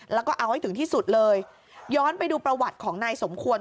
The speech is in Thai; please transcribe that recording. แล้วก็เอาให้ถึงที่สุดเลยย้อนไปดูประวัติของนายสมควร